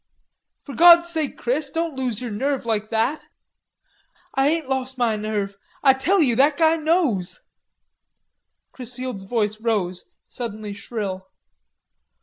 "For God's sake, Chris, don't lose your nerve like that." "Ah ain't lost ma nerve. Ah tell you that guy knows." Chrisfield's voice rose, suddenly shrill.